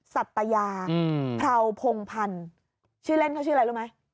สัตยาพราวพงพันธ์ชื่อเล่นเขาชื่ออะไรรู้ไหม